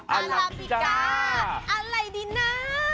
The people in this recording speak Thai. อัลลาปิกาอะไรดีน้า